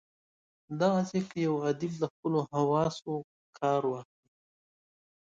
دغسي که یو ادیب له خپلو حواسو کار واخلي.